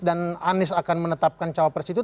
dan anies akan menetapkan cowok pres itu